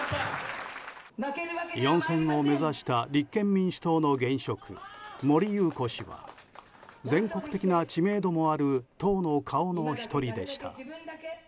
４選を目指した立憲民主党の現職森裕子氏は全国的な知名度もある党の顔の１人でした。